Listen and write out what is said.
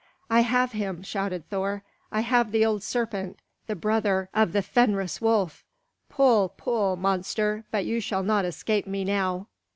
"I have him!" shouted Thor; "I have the old serpent, the brother of the Fenris wolf! Pull, pull, monster! But you shall not escape me now!"